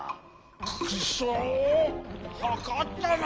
くそうはかったな。